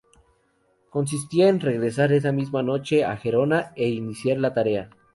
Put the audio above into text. Consistía en regresar esa misma noche a Gerona e iniciar la tarea.